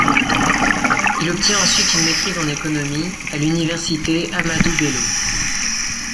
Il obtient ensuite une maîtrise en économie à l’université Ahmadu Bello.